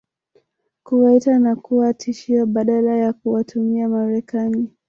kuwaita na kuwa tishio badala ya kuwatumia Marekani